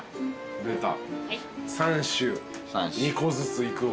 出た。